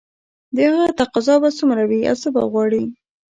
د هغه تقاضا به څومره وي او څه به غواړي